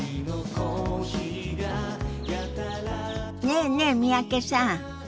ねえねえ三宅さん。